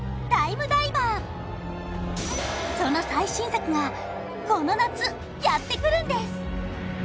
その最新作がこの夏やってくるんです